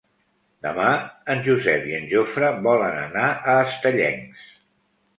Demà en Josep i en Jofre volen anar a Estellencs.